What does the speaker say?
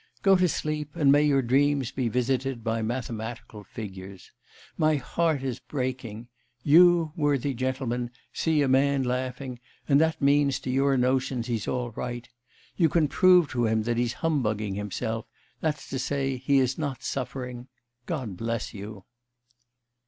Go to sleep, and may your dreams be visited by mathematical figures! My heart is breaking. You, worthy gentlemen, see a man laughing, and that means to your notions he's all right; you can prove to him that he's humbugging himself, that's to say, he is not suffering.... God bless you!